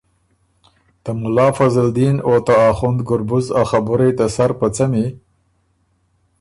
”ته مُلا فضل دین او ته اخوند ګُربز ا خبُرئ ته سر په څمی،